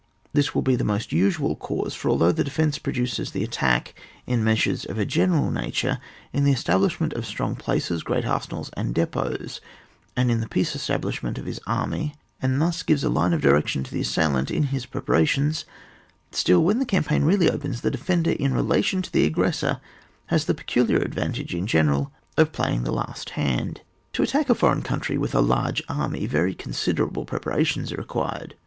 This will be the most usual case, for although the defence precedes the attach in measures of a general nature, in the establishment of strong places, great arsenals, and depots, and in the peace establishment of his army, and thus gives a line of direction to the assail ant in his preparations, still, when the campaign reaUy opens, the defender, in relation to the aggressor, has the pecu liar advantage in general of playing the last hand. To attack a foreign country with a large army, very considerable prepara tions are required.